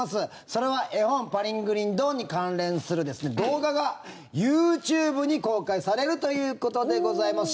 それは、絵本「パリングリンドーン」に関連する動画がＹｏｕＴｕｂｅに公開されるということでございます。